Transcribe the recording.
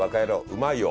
うまいよ。